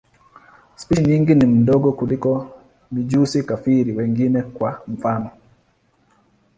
Spishi nyingi ni ndogo kuliko mijusi-kafiri wengine, kwa mfano.